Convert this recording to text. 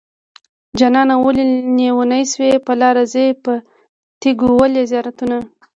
جانانه ولې لېونی شوې په لاره ځې په تيګو ولې زيارتونه